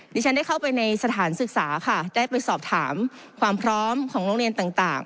ดิฉันได้เข้าไปในสถานศึกษาค่ะได้ไปสอบถามความพร้อมของโรงเรียนต่าง